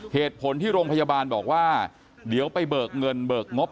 เหตุผลที่โรงพยาบาลบอกว่าเดี๋ยวไปเบิกเงินเบิกงบ